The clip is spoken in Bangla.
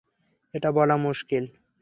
এটা বলা মুশকিল!